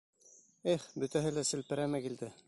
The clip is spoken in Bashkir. Эх, бөтәһе лә селпәрәмә килде!